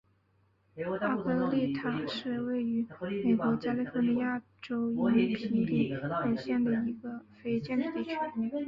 阿科利塔是位于美国加利福尼亚州因皮里尔县的一个非建制地区。